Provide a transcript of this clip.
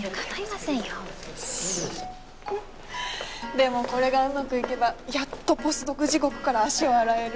でもこれがうまくいけばやっとポスドク地獄から足を洗える。